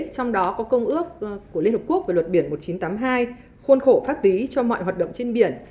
trong đó có công ước của liên hợp quốc về luật biển một nghìn chín trăm tám mươi hai khuôn khổ pháp tí cho mọi hoạt động trên biển